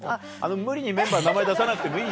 無理にメンバーの名前出さなくてもいいよ。